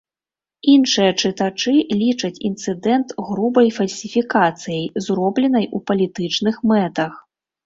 Іншыя чытачы лічаць інцыдэнт грубай фальсіфікацыяй, зробленай у палітычных мэтах.